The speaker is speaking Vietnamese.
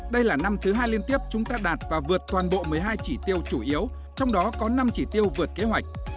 đây là năm thứ hai liên tiếp chúng ta đạt và vượt toàn bộ một mươi hai chỉ tiêu chủ yếu trong đó có năm chỉ tiêu vượt kế hoạch